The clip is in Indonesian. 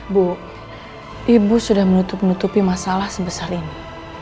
bu ibu sudah menutup nutupi masalah sebesar ini